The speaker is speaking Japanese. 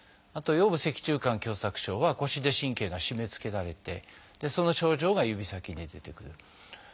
あとは腰部脊柱管狭窄症は腰で神経が締めつけられてその症状が指先に出てくる。